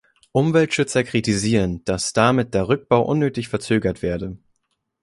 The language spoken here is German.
Umweltschützer kritisieren, dass damit der Rückbau unnötig verzögert werde.